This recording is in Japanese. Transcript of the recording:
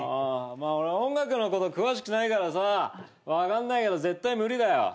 俺音楽のこと詳しくないからさ分かんないけど絶対無理だよ。